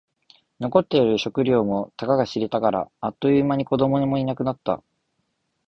残っている食料もたかが知れていたから。あっという間に子供もいなくなった。